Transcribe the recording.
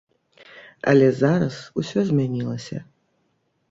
Але зараз усё змянілася.